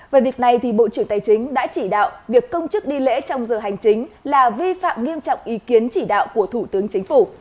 về việc này bộ trưởng tài chính đã chỉ đạo việc công chức đi lễ trong giờ hành chính là vi phạm nghiêm trọng ý kiến chỉ đạo của thủ tướng chính phủ